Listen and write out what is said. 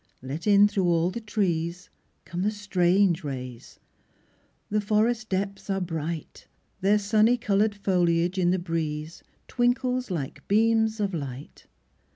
Let in through all the trees Come the strange rays; the forest depths are bright, Their sunny coloured foliage, in the breeze, Twinkles, like beams of light.